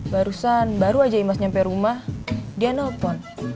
barusan baru aja imas nyampe rumah dia nelpon